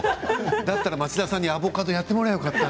だったら町田さんにアボカドやってもらえばよかった。